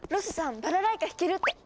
バラライカ弾けるって！